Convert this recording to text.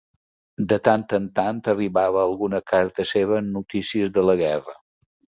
De tant en tant arribava alguna carta seva amb notícies de la guerra.